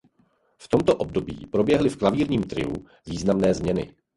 V tomto období proběhly v klavírním triu významné změny.